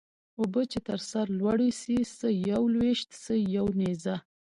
اوبه چې تر سر لوړي سي څه يوه لويشت څه يو نيزه.